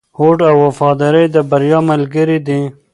هوډ او وفاداري د بریا ملګري دي.